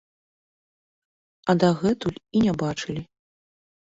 А дагэтуль і не бачылі!